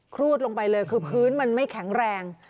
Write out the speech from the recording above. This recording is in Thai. ครูดลงไปเลยคือพื้นมันไม่แข็งแรง